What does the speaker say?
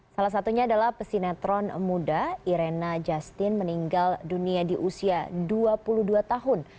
salah satunya adalah pesinetron muda irena justin meninggal dunia di usia dua puluh dua tahun